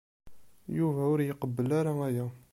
Yuba ur iqebbel ara aya.